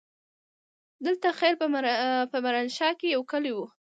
دته خېل په ميرانشاه کې يو کلی وو.